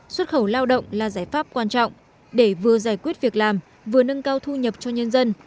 xuất khẩu lao động là giải pháp quan trọng để vừa giải quyết việc làm vừa nâng cao thu nhập cho nhân dân